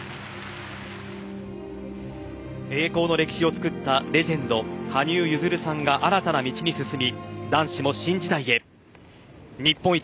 栄光の歴史を作ったレジェンド羽生結弦さんが新たな道に進み